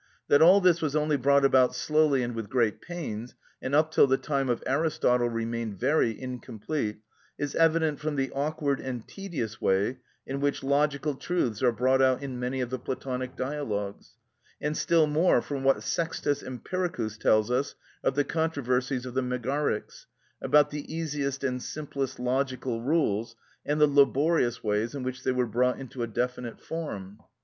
That all this was only brought about slowly, and with great pains, and up till the time of Aristotle remained very incomplete, is evident from the awkward and tedious way in which logical truths are brought out in many of the Platonic dialogues, and still more from what Sextus Empiricus tells us of the controversies of the Megarics, about the easiest and simplest logical rules, and the laborious way in which they were brought into a definite form (Sext. Emp. adv. Math. l. 8, p. 112).